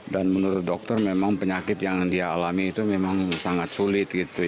dan menurut dokter memang penyakit yang dia alami itu memang sangat sulit